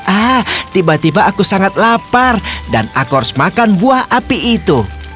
ah tiba tiba aku sangat lapar dan aku harus makan buah api itu